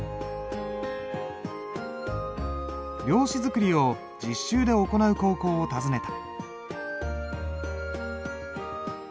料紙作りを実習で行う高校を訪ねた。